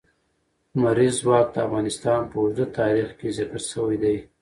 لمریز ځواک د افغانستان په اوږده تاریخ کې ذکر شوی دی.